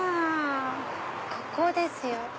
ここですよ。